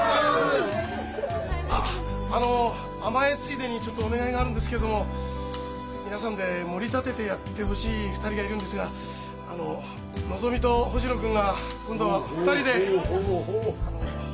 あっあの甘えついでにちょっとお願いがあるんですけれども皆さんでもり立ててやってほしい２人がいるんですがあののぞみと星野君が今度２人で法律事務所を開業することになりました。